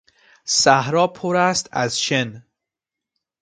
صحرا پر است از شن.